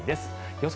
予想